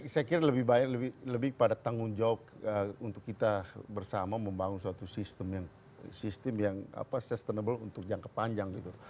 saya kira lebih baik lebih pada tanggung jawab untuk kita bersama membangun suatu sistem yang sustainable untuk jangka panjang gitu